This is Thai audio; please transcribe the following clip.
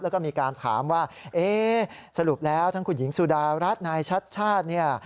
แล้วก็มีการถามว่าเอ๊ะสรุปแล้วทั้งคุณหญิงสุดารัฐนายชัดชาติเนี่ย